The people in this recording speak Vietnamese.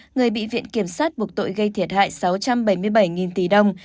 người bị viện kiểm sát buộc tội gây thiệt hại sáu trăm bảy mươi bảy tỷ đồng